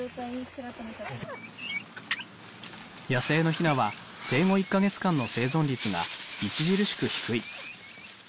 野生のひなは生後１カ月間の生存率が著しく低い。